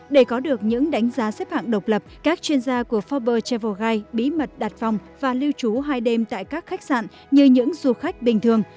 để có được những đánh giá xếp hạng độc lập các chuyên gia của forbes travel guide bí mật đặt phòng và lưu trú hai đêm tại các khách sạn như những du khách bình thường